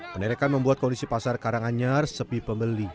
penerekan membuat kondisi pasar karanganyar sepi pembeli